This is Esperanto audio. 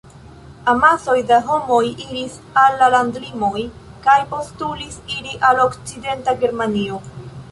Amasoj da homoj iris al la landlimoj kaj postulis iri al okcidenta Germanio.